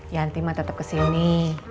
yanti mak tetep kesini